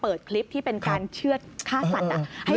คลิปที่เป็นการเชื่อดฆ่าสัตว์